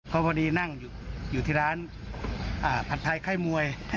พอพอดีนั่งอยู่ที่ร้านผัดไทยไข้มวย